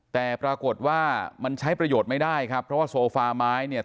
แต่ปรากฏว่ามันใช้ประโยชน์ไม่ได้ครับเพราะว่าโซฟาไม้เนี่ย